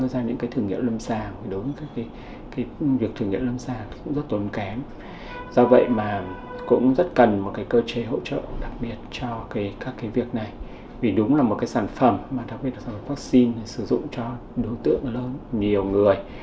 sản phẩm đặc biệt là sản phẩm vắc xin sử dụng cho đối tượng lớn nhiều người